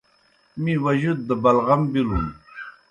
می وجود دہ بلغَم بِلُن۔